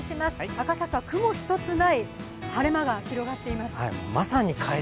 赤坂、雲一つない晴れ間が広がっています。